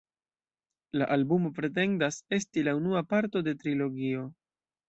La albumo pretendas esti la unua parto de trilogio.